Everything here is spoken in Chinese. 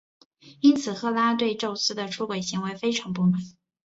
因此赫拉对宙斯的出轨行为非常不满。